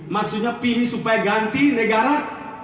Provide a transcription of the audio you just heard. maksudnya pilih supaya ganti negara